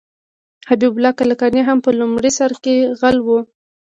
حبیب الله کلکاني هم په لومړي سر کې غل و.